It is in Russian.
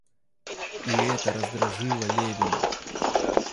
И эта раздражило Левина.